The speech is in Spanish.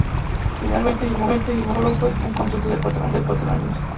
Finalmente firmó con el Toulouse un contrato de cuatro años.